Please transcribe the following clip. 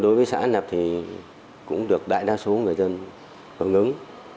đối với xã tân lập cũng được đại đa số người dân hưởng ứng